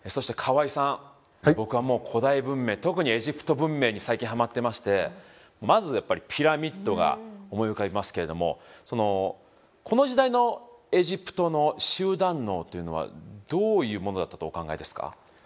僕は古代文明特にエジプト文明に最近はまってましてまずやっぱりピラミッドが思い浮かびますけれどもこの時代のエジプトの集団脳というのはどういうものだったとお考えですか。